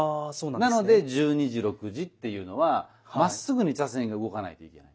なので十二時六時っていうのはまっすぐに茶筅が動かないといけない。